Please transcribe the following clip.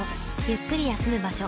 ゆっくり休む場所